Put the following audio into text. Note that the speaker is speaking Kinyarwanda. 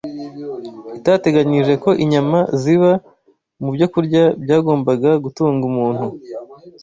itateganyije ko inyama ziba mu byokurya byagombaga gutunga umuntu